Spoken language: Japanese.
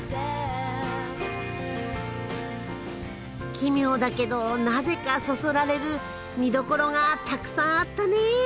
奇妙だけどなぜかそそられる見どころがたくさんあったね。